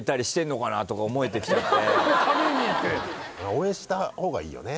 応援した方がいいよね。